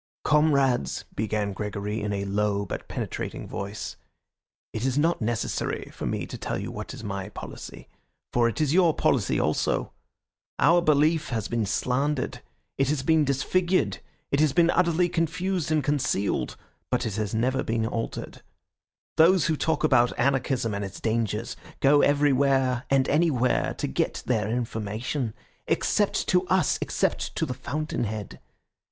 "Comrades," began Gregory, in a low but penetrating voice, "it is not necessary for me to tell you what is my policy, for it is your policy also. Our belief has been slandered, it has been disfigured, it has been utterly confused and concealed, but it has never been altered. Those who talk about anarchism and its dangers go everywhere and anywhere to get their information, except to us, except to the fountain head.